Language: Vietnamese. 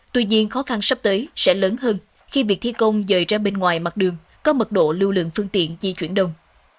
tuy nhiên khó khăn sắp tới sẽ lớn hơn khi việc thi công rời ra bên ngoài mặt đường có mật độ lưu lượng phương tiện di chuyển đông